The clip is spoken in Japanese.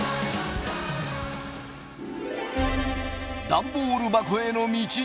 ダンボール箱への道。